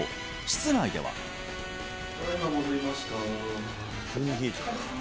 室内ではただ今戻りました